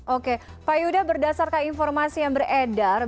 oke pak yuda berdasarkan informasi yang beredar